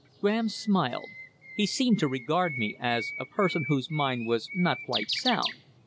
Graham smiled. He seemed to regard me as a person whose mind was not quite sound.